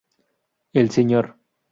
El Sr.